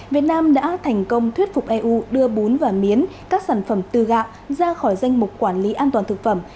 việt nam đã thành công thuyết phục eu đưa bún và miến các sản phẩm từ gạo ra khỏi danh mục quản lý an toàn thực phẩm